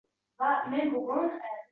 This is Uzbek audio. Ulug’bek Hamdam